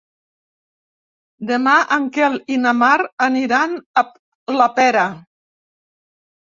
Demà en Quel i na Mar aniran a la Pera.